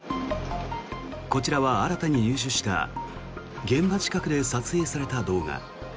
こちらは新たに入手した現場近くで撮影された動画。